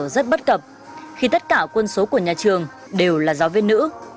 rất bất cập khi tất cả quân số của nhà trường đều là giáo viên nữ